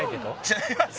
違います